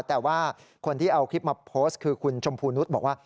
แต่ว่าคนที่เอาคลิปมาโพสต์คือคุณชมพูนุษย์บอกว่า